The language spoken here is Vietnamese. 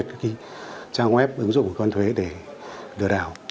trang web giả mạo giống như trang web ứng dụng của cơ quan thuế để lừa đảo